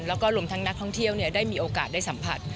แล้วก็รวมทั้งนักท่องเที่ยวได้มีโอกาสได้สัมผัส